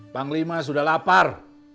panglima sudah lapar